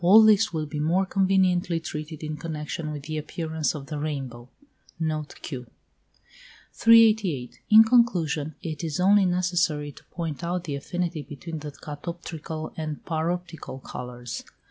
All this will be more conveniently treated in connexion with the appearance of the rainbow. Note Q. 388. In conclusion it is only necessary to point out the affinity between the catoptrical and paroptical colours.